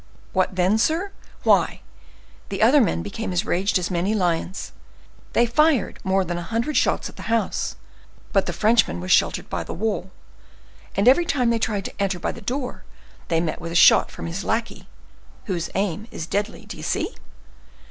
"What then, sir?—why, the other men became as enraged as so many lions: they fired more than a hundred shots at the house; but the Frenchman was sheltered by the wall, and every time they tried to enter by the door they met with a shot from his lackey, whose aim is deadly, d'ye see?